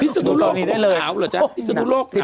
พิศนุโรคตรงนี้ได้เลยโอ้โฮะโอ้โฮะโอ้โฮะ